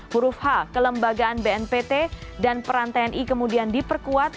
huruf h kelembagaan bnpt dan peran tni kemudian diperkuat